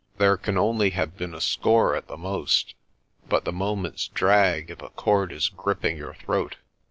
There can only have been a score at the most; but the moments drag if a cord is gripping your throat.